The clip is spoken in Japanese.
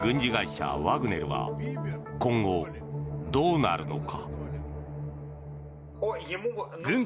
民間軍事会社ワグネルは今後どうなるのか。